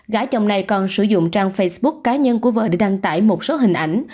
gá chồng này còn sử dụng trang facebook cá nhân của vợ để đăng tải một số hình ảnh